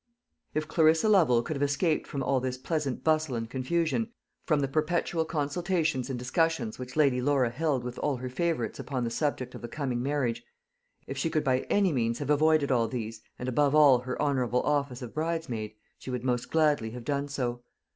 If Clarissa Lovel could have escaped from all this pleasant bustle and confusion, from the perpetual consultations and discussions which Lady Laura held with all her favourites upon the subject of the coming marriage if she could by any means have avoided all these, and above all her honourable office of bridesmaid she would most gladly have done so.